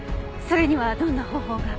それにはどんな方法が？